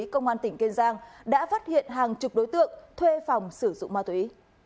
công an tỉnh kiên giang đã phát hiện hàng chục đối tượng thuê phòng sử dụng ma túy